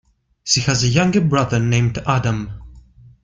She has a younger brother named Adam.